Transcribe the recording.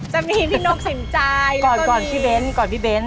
จะมีพี่นกสินใจแล้วก็มีก่อนพี่เบ้น